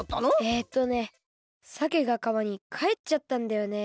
えっとねさけがかわにかえっちゃったんだよね。